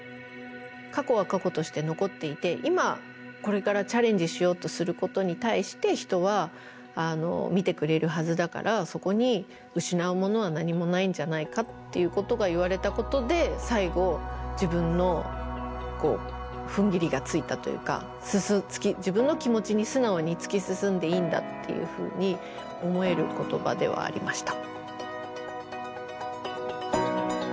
過去は過去として残っていて今これからチャレンジしようとすることに対して人は見てくれるはずだからそこに失うものは何もないんじゃないかっていうことが言われたことで最後自分のふんぎりがついたというか自分の気持ちに素直に突き進んでいいんだっていうふうに思える言葉ではありました。